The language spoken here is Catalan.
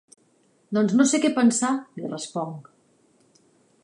Doncs no sé què pensar —li responc—.